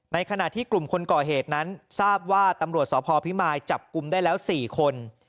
ในขณะที่กลุ่มคนก่อเหตุนั้นทราบว่าตำรวจสพพิมายจับกลุ่มได้แล้ว๔คน